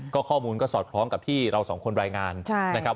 ข้อมูลก็สอดคล้องกับที่เราสองคนรายงานนะครับ